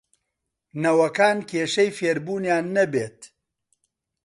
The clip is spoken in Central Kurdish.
نەوەکان کێشەی فێربوونیان نەبێت